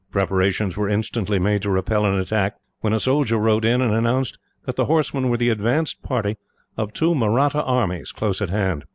Preparations were instantly made to repel an attack, when a soldier rode in, and announced that the horsemen were the advance party of two Mahratta armies, close at hand.